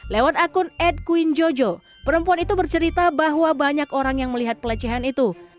lewat akun ad queen jojo perempuan itu bercerita bahwa banyak orang yang melihat pelecehan itu